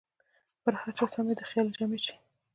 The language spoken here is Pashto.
پر هر چا سمې د خیال جامې شي